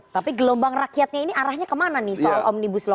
tapi gelombang rakyatnya ini arahnya kemana nih soal omnibus law